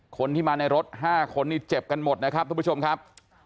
คนที่มาในรถ๕คนนี่เจ็บกันหมดนะครับทุกผู้ชมครับ